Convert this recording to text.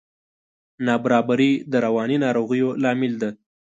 نابرابري د رواني ناروغیو لامل ده.